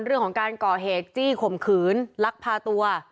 เรื่องของการก่อเหตุจี้ข่มขืนลักพาตัว